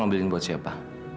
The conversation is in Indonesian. mari lakukan siapa